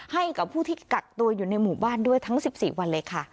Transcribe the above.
ให้กับผู้ที่กักตัวอยู่ในหมู่บ้านด้วยทั้ง๑๔วันเลยค่ะ